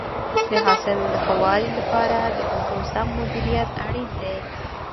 د حاصل د ښه والي لپاره د اوبو سم مدیریت اړین دی.